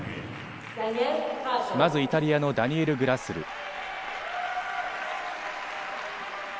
まずイタリアのダニエル・グラスル。